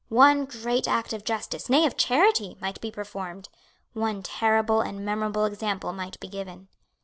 One great act of justice, nay of charity, might be performed. One terrible and memorable example might be given.